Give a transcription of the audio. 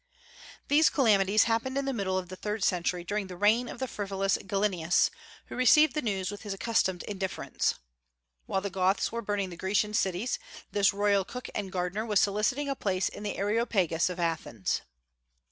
These calamities happened in the middle of the third century, during the reign of the frivolous Gallienus, who received the news with his accustomed indifference. While the Goths were burning the Grecian cities, this royal cook and gardener was soliciting a place in the Areopagus of Athens.